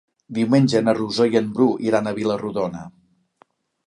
Diumenge na Rosó i en Bru iran a Vila-rodona.